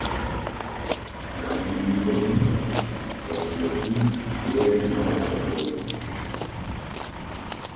Seien Sie versichert, dass wir dies sehr genau verfolgen.